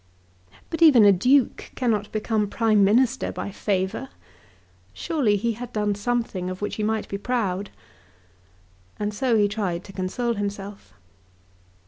But even a duke cannot become Prime Minister by favour. Surely he had done something of which he might be proud. And so he tried to console himself.